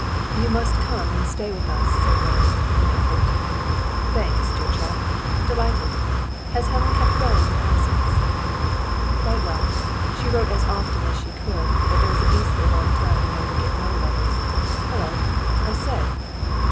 "You must come and stay with us," said Ronnie, with an effort. "Thanks, dear chap. Delighted. Has Helen kept well during your absence?" "Quite well. She wrote as often as she could, but there was a beastly long time when I could get no letters. Hullo! I say!"